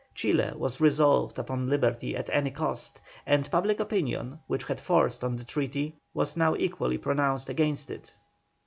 Chile was resolved upon liberty at any cost, and public opinion, which had forced on the treaty, was now equally pronounced against it.